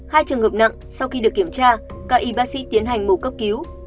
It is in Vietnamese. hai trường hợp nặng sau khi được kiểm tra các y bác sĩ tiến hành mổ cấp cứu